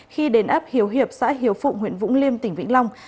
khi đến ấp hiếu hiệp xã hiếu phụng huyện vũng liêm tỉnh vĩnh long